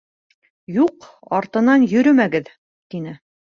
«Юҡ артынан йөрөмәгеҙ», тине.